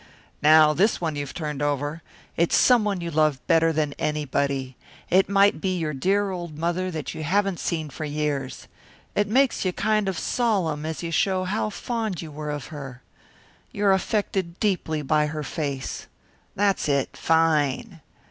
"Now, this one you've turned over it's someone you love better than anybody. It might be your dear old mother that you haven't seen for years. It makes you kind of solemn as you show how fond you were of her. You're affected deeply by her face. That's it, fine!